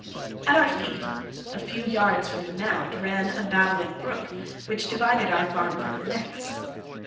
At our feet, a few yards from the mound, ran a babbling brook, which divided our farm from the next.